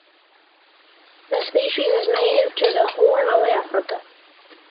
The species is native to the Horn of Africa.